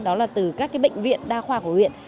đó là từ các bệnh viện đa khoa của huyện